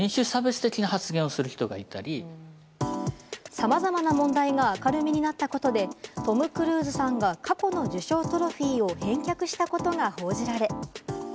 さまざまな問題が明るみになったことでトム・クルーズさんが過去の受賞トロフィーを返却したことが報じられ。